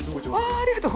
ありがとう。